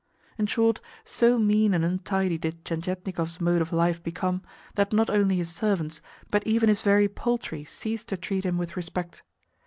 In short, so mean and untidy did Tientietnikov's mode of life become, that not only his servants, but even his very poultry ceased to treat him with respect.